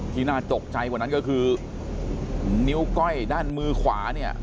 น่าตกใจกว่านั้นก็คือนิ้วก้อยด้านมือขวาเนี่ย